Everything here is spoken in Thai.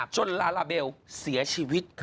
ลาลาเบลเสียชีวิต